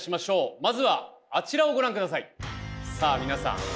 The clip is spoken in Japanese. まずはあちらをご覧くださいさあ皆さん